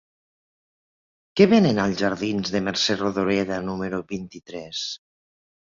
Què venen als jardins de Mercè Rodoreda número vint-i-tres?